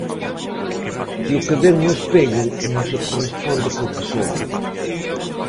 Que o que ven no espello non se corresponde co que son.